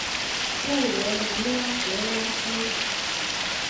布洛尼拉格拉斯。